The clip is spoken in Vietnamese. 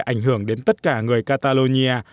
ảnh hưởng đến tất cả người catalonia